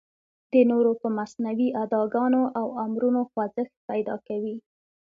د نورو په مصنوعي اداګانو او امرونو خوځښت پیدا کوي.